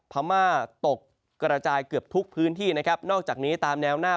พม่าตกกระจายเกือบทุกพื้นที่นะครับนอกจากนี้ตามแนวหน้า